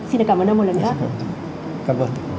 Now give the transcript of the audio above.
xin cảm ơn ông một lần nữa